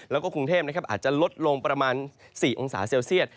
แล้วก็กรุงเทพอาจจะลดลงประมาณ๔องศาเซลเซียต